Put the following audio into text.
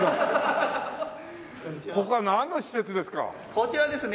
こちらはですね